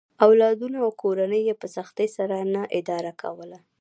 اولادونه او کورنۍ یې په سختۍ سره نه اداره کوله.